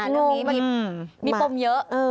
เรื่องนี้มีปมเยอะ